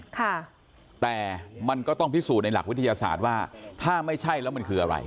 ค่ะแต่มันก็ต้องพิสูจน์ในหลักวิทยาศาสตร์ว่าถ้าไม่ใช่แล้วมันคืออะไร